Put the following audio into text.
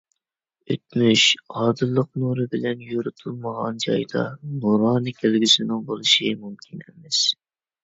ئۆتمۈش ئادىللىق نۇرى بىلەن يورۇتۇلمىغان جايدا نۇرانە كەلگۈسىنىڭ بولۇشى مۇمكىن ئەمەس.